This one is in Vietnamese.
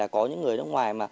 có những người nước ngoài